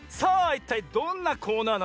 いったいどんなコーナーなのか？